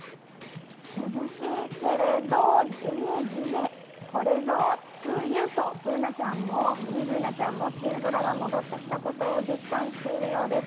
涼しいけれど、ジメジメこれぞ梅雨と、ミニＢｏｏｎａちゃんも梅雨空が戻ってきたことを実感しているようです。